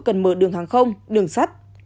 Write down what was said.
cần mở đường hàng không đường sắt